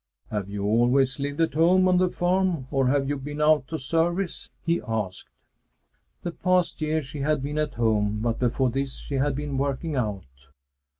"Have you always lived at home on the farm or have you been out to service?" he asked. The past year she had been at home, but before this she had been working out.